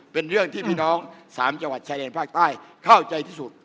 เป็นเรื่องที่พี่น้อง๓จังหวัดชายแดนภาคใต้เข้าใจที่สุด